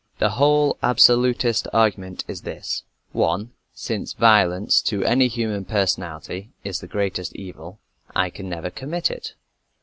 The whole absolutist argument is this: (1) Since violence to any human personality is the greatest evil, I can never commit it.